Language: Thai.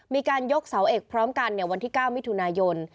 มีการยกเสาเอกพร้อมกันในวันที่๙มิถุนายน